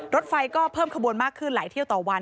รถไฟก็เพิ่มขบวนมากขึ้นหลายเที่ยวต่อวัน